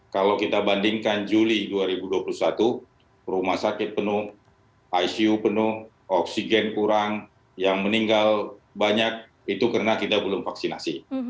kalau kita bandingkan juli dua ribu dua puluh satu rumah sakit penuh icu penuh oksigen kurang yang meninggal banyak itu karena kita belum vaksinasi